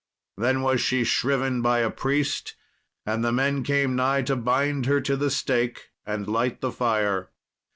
Then was she shriven by a priest, and the men came nigh to bind her to the stake and light the fire.